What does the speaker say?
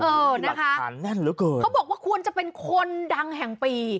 เออนะคะเขาบอกว่าควรจะเป็นคนดังแห่งปี